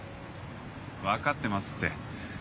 分かってますって。